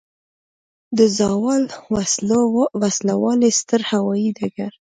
د زاول وسلوالی ستر هوایي ډګر